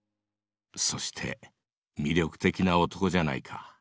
そして魅力的な男じゃないか。